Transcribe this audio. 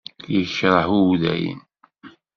Yekreh Udayen.